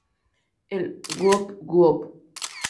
El "Woop-woop!